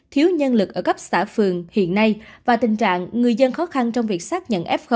thiếu nhân lực ở cấp xã phường hiện nay và tình trạng người dân khó khăn trong việc xác nhận f